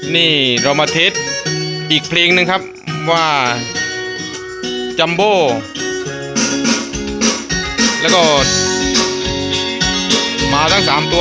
นี่เรามาทิศอีกเพลงหนึ่งครับว่าจัมโบแล้วก็มาทั้งสามตัว